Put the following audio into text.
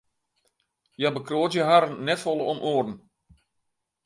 Hja bekroadzje harren net folle om oaren.